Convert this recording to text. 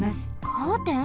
カーテン？